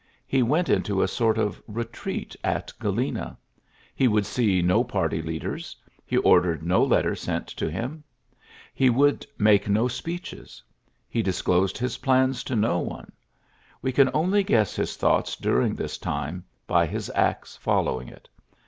He went into a sort of retreat at (Jalena. He would see no party 1 leaders. He ordered no letter sent to i him. He would make no si)eeches. He disclosed his plans to no one. We can \ only guess his thoughts during this time I by his acts following it.